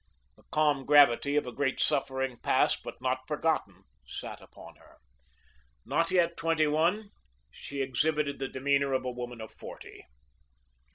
The calm gravity of a great suffering past, but not forgotten, sat upon her. Not yet twenty one, she exhibited the demeanour of a woman of forty.